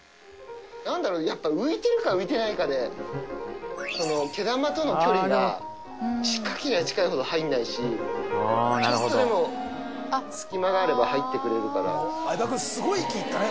なんだろうね、やっぱり浮いてるか、浮いてないかで、毛玉との距離が近ければ近いほど入んないし、ちょっとでも隙間があれば入ってくれるから。